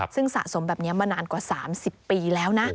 ซึ่งสะสมแบบนี้มานานกว่า๓๐ปีแล้วนะ